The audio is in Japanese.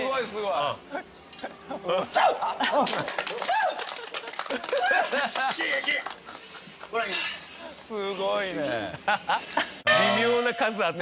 すごいね。